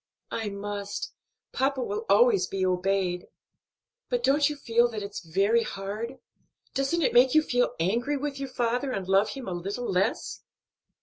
"I must; papa will always be obeyed." "But don't you feel that it's very hard? doesn't it make you feel angry with your father and love him a little less?"